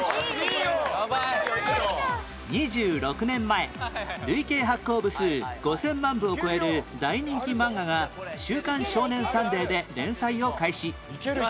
２６年前累計発行部数５０００万部を超える大人気漫画が『週刊少年サンデー』で連載を開始